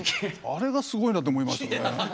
あれがすごいなと思いましたね。